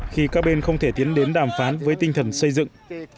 khi các bên không thể tiến đến đàm phán với tinh thần xây dựng